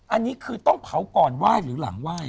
อันนี้คือต้องเผาก่อนไหว้หรือหลังไหว้